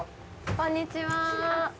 こんにちは！